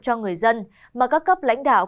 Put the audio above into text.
cho người dân mà các cấp lãnh đạo